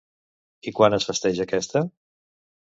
I quan es festeja aquesta?